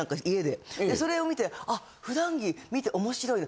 でそれを見てあっ普段着見て面白い。